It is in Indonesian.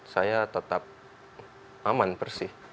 saya tetap aman bersih